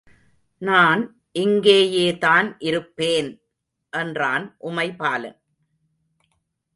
நான் இங்கேயேதான் இருப்பேன்! ″ என்றான் உமைபாலன்.